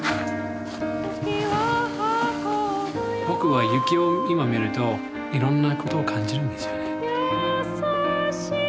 僕は雪を今見るといろんなことを感じるんですよね。